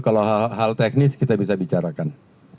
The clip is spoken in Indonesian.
kalau hal teknis kita bisa bicarakan